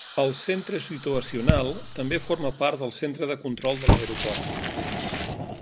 El "Centre Situacional" també forma part del centre de control de l'aeroport.